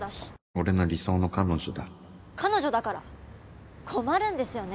俺の理想の彼女だ彼女だから困るんですよね